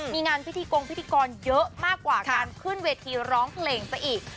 มีงานพิธีกงพิธีกรเยอะมากกว่าการขึ้นเวทีร้องเพลงซะอีก